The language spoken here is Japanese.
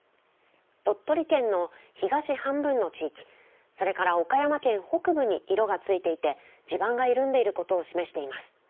鳥取県の東半分の地域、それから岡山県北部に色がついていて、地盤が緩んでいることを示しています。